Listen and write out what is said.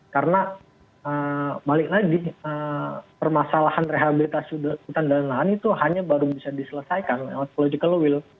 karena balik lagi permasalahan rehabilitasi hutan dan lahan itu hanya baru bisa diselesaikan oleh political will